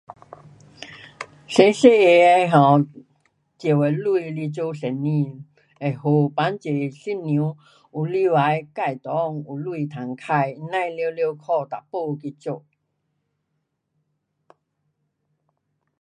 小小个的 um 借的钱来做生意会好，帮助妇女有能力自内有钱好花，甭完了靠男人去做。